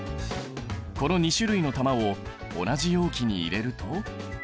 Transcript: この２種類の玉を同じ容器に入れると。